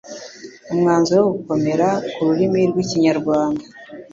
umwanzuro wo gukomera ku Rurimi rw'Ikinyarwanda